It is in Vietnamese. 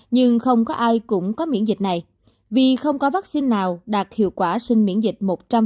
nhưng không có ai cũng có miễn dịch này vì không có vaccine nào đạt hiệu quả sinh miễn dịch một trăm linh